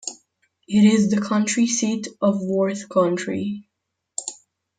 It is the county seat of Worth County.